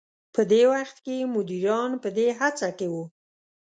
په دې وخت کې مديران په دې هڅه کې وو.